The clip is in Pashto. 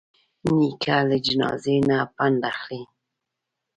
نیکه له جنازې نه پند اخلي.